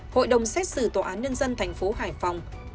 hội đồng xét xử tòa án nhân dân thành phố hải phòng